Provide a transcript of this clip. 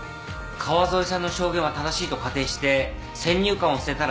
川添さんの証言は正しいと仮定して先入観を捨てたら単純なことではないかと。